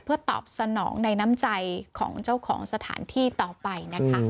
เพื่อตอบสนองในน้ำใจของเจ้าของสถานที่ต่อไปนะคะ